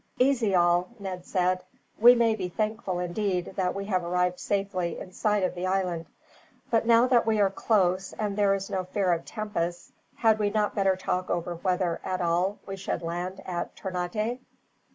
"Easy all," Ned said. "We may be thankful, indeed, that we have arrived safely in sight of the island. But now that we are close, and there is no fear of tempests, had we not better talk over whether, after all, we shall land at Ternate?"